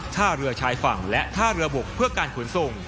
ท่าเรือชายฝั่งและท่าเรือบกเพื่อการขนส่ง